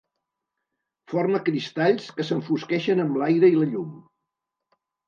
Forma cristalls que s'enfosqueixen amb l'aire i la llum.